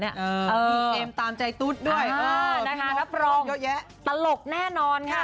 พี่เอ็มตามใจตุ๊ดด้วยพี่โหน่งพร้อมเยอะแยะตลกแน่นอนค่ะ